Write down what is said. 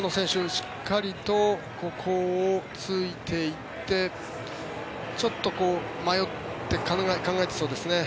しっかりとここをついていってちょっと迷って考えてそうですね。